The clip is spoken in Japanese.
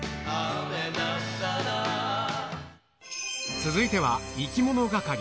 続いては、いきものがかり。